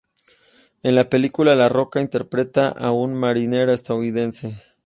En la película La Roca interpreta a un marine estadounidense.